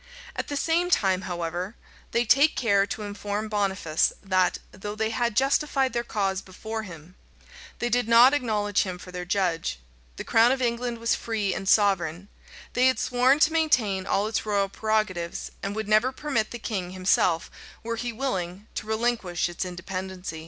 [*] At the same time, however, they take care to inform Boniface, that, though they had justified their cause before him, they did not acknowledge him for their judge: the crown of England was free and sovereign: they had sworn to maintain all its royal prerogatives, and would never permit the king himself, were he willing, to relinquish its independency.